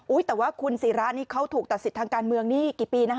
แต่ว่าคุณศิรานี่เขาถูกตัดสิทธิ์ทางการเมืองนี่กี่ปีนะคะ